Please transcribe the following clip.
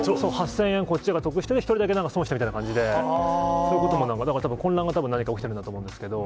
８０００円、こっちだけ得して、１人だけ損した感じで、そういうことなので、だから何か混乱が起きてるんだと思うんですけど。